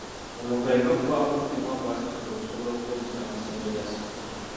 Omuntu alina okubaako omutemwa gw'asasula okusobola okukozesa amasanyalaze.